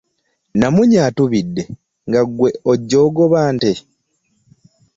Namunye atubidde nga ggwe ojja ogoba nte!